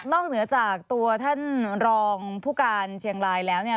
เหนือจากตัวท่านรองผู้การเชียงรายแล้วเนี่ย